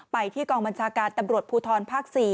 ไปที่กองบัญชาการตำรวจภูทรภาค๔